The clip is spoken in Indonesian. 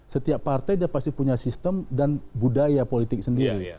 setiap partai dia pasti punya sistem dan budaya politik sendiri